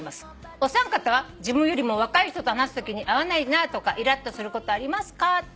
お三方は自分よりも若い人と話すときに合わないなとかいらっとすることありますか？」